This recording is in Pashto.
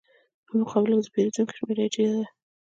په مقابل کې د پېرودونکو شمېره یې ټیټه ده